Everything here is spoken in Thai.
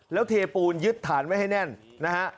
แล้วเทปูนยึดฐานไว้ให้แน่นนะฮะ